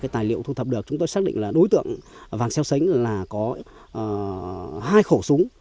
tài liệu thu thập được chúng tôi xác định là đối tượng vàng xeo xánh là có hai khẩu súng